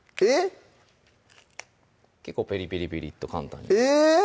結構ペリペリペリッと簡単にえーっ！